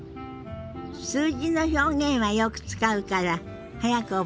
数字の表現はよく使うから早く覚えたいわよね。